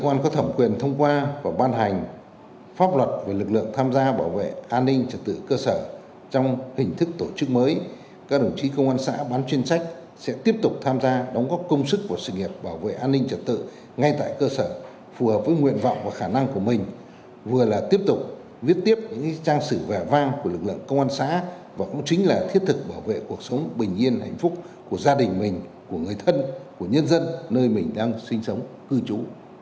công an có thẩm quyền thông qua và ban hành pháp luật về lực lượng tham gia bảo vệ an ninh trật tự cơ sở trong hình thức tổ chức mới các đồng chí công an xã bán chuyên trách sẽ tiếp tục tham gia đóng góp công sức của sự nghiệp bảo vệ an ninh trật tự ngay tại cơ sở phù hợp với nguyện vọng và khả năng của mình vừa là tiếp tục viết tiếp những trang sử vẻ vang của lực lượng công an xã và cũng chính là thiết thực bảo vệ cuộc sống bình yên hạnh phúc của gia đình mình của người thân của nhân dân nơi mình đang sinh sống cư trú